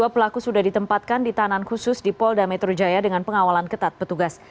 dua pelaku sudah ditempatkan di tahanan khusus di polda metro jaya dengan pengawalan ketat petugas